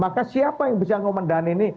maka siapa yang bisa ngomendan ini